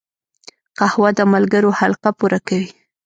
قهوه د ملګرو حلقه پوره کوي